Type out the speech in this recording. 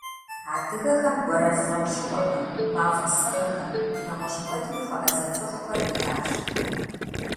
Адыгэхэм гуэрэф лӏэужьыгъуэхэм, мафӏэ сыгъэхэм, нэгъуэщӏ куэдми хуэӏэзэ цӏыхухэр диӏащ.